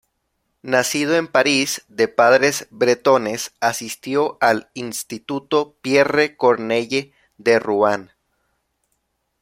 Nacido en París de padres bretones, asistió al Instituto Pierre Corneille de Ruan.